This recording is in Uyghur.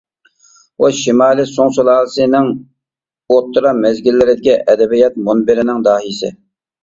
ئۇ شىمالىي سۇڭ سۇلالىسىنىڭ ئوتتۇرا مەزگىللىرىدىكى ئەدەبىيات مۇنبىرىنىڭ داھىيسى.